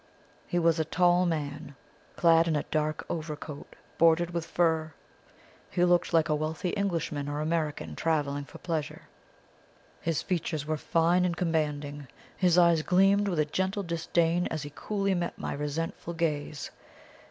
He was a tall man, clad in a dark overcoat bordered with fur; he looked like a wealthy Englishman or American travelling for pleasure. His features were fine and commanding; his eyes gleamed with a gentle disdain as he coolly met my resentful gaze.